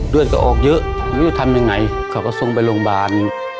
เดือดก็อ๊อกเยอะลืมทำยังไงเขาก็ทรงไปโรงพยาบาล